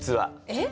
えっ？